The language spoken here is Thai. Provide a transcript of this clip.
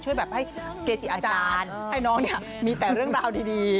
ช่วยแบบให้เกจิอาจารย์ให้น้องเนี่ยมีแต่เรื่องราวดี